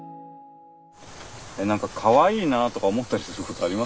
何かかわいいなとか思ったりすることありますか？